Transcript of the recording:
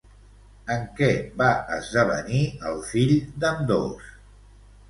En què va esdevenir el fill d'ambdós?